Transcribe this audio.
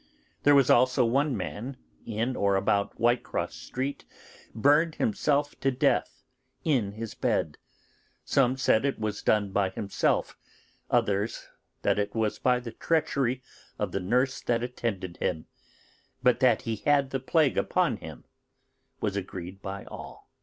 There was also one man in or about Whitecross Street burned himself to death in his bed; some said it was done by himself, others that it was by the treachery of the nurse that attended him; but that he had the plague upon him was agreed by all.